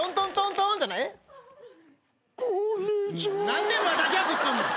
何でまだギャグすんねん。